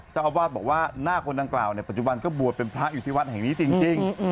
เจ้าอาวาสบอกว่าหน้าคนดังกล่าวปัจจุบันก็บวชเป็นพระอยู่ที่วัดแห่งนี้จริง